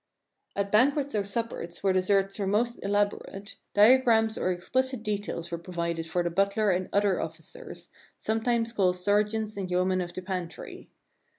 At banquets or suppers where desserts were most elaborate, diagrams or explicit details were pro vided for the butler and other officers, sometimes called "serjeants and yeomen of the pantry."